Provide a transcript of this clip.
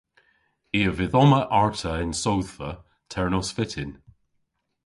I a vydh omma arta y'n sodhva ternos vyttin.